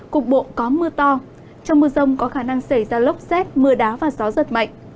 cục bộ có mưa to trong mưa rông có khả năng xảy ra lốc xét mưa đá và gió giật mạnh